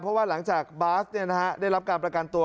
เพราะว่าหลังจากบาสได้รับการประกันตัว